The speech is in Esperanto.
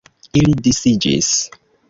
Ili disiĝis.